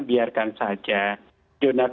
biarkan saja jurnal